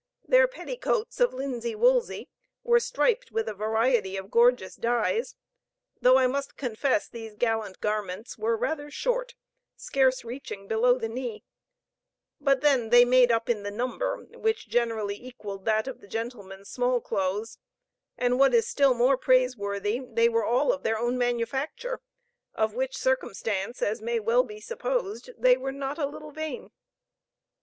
Their petticoats of linsey woolsey were striped with a variety of gorgeous dyes though I must confess these gallant garments were rather short, scarce reaching below the knee; but then they made up in the number, which generally equalled that of the gentleman's small clothes; and what is still more praiseworthy, they were all of their own manufacture of which circumstance, as may well be supposed, they were not a little vain.